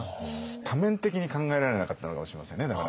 多面的に考えられなかったのかもしれませんねだから。